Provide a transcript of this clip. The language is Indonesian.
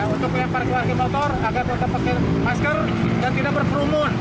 untuk yang parkir parkir motor agar tetap pakai masker dan tidak berperumun